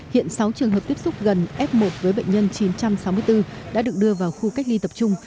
hiện sáu trường hợp tiếp xúc gần f một với bệnh nhân chín trăm sáu mươi bốn đã được đưa vào khu cách ly tập trung